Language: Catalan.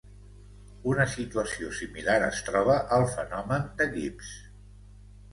Una situació similar es troba al fenomen de Gibbs.